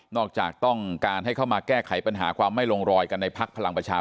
จากต้องการให้เข้ามาแก้ไขปัญหาความไม่ลงรอยกันในพักพลังประชา